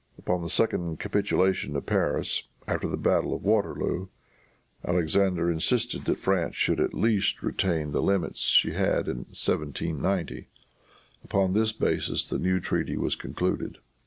Upon the second capitulation of Paris, after the battle of Waterloo, Alexander insisted that France should at least retain the limits she had in 1790. Upon this basis the new treaty was concluded.